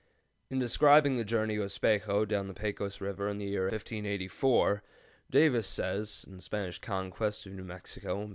In describing the journey of Espejo down the Pecos River in the year 1584, Davis says (Spanish Conquest of New Mexico, p.